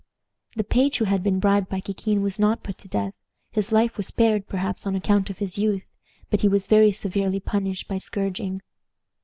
The page who had been bribed by Kikin was not put to death. His life was spared, perhaps on account of his youth, but he was very severely punished by scourging.